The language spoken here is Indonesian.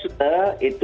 ya batal itu